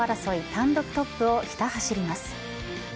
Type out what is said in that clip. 単独トップをひた走ります。